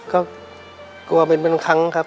ก็กลัวเป็นครั้งครับ